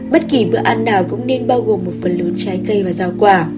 bất kỳ bữa ăn nào cũng nên bao gồm một phần lớn trái cây và rau quả